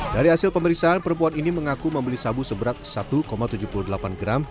dari hasil pemeriksaan perempuan ini mengaku membeli sabu seberat satu tujuh puluh delapan gram